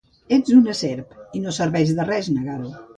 Ets una serp, i no serveix de res negar-ho.